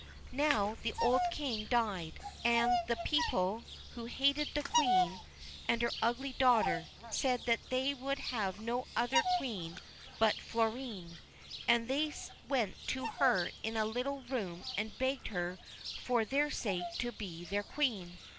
Now the old King died, and the people, who hated the Queen and her ugly daughter, said that they would have no other Queen but Florine, and they went to her in her little room and begged her for their sake to be their Queen.